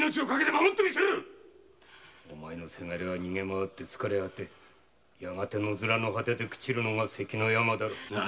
お前の倅は逃げ回って疲れ果てやがて野面の果てで朽ちるのが関の山だろう。何！？